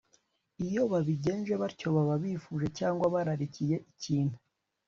iyo babigenje batyo baba bifuje cyangwa bararikiye ikintu